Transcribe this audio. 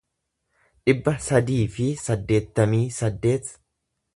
dhibba sadii fi saddeettamii saddeet